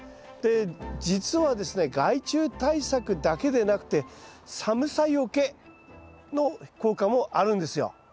で実はですね害虫対策だけでなくて寒さよけの効果もあるんですよ。